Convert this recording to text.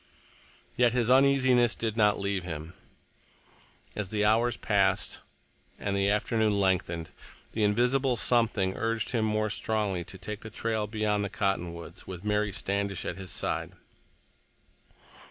Yet his uneasiness did not leave him. As the hours passed and the afternoon lengthened, the invisible something urged him more strongly to take the trail beyond the cottonwoods, with Mary Standish at his side.